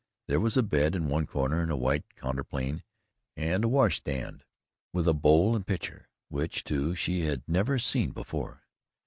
There was a bed in one corner with a white counterpane and a washstand with a bowl and pitcher, which, too, she had never seen before.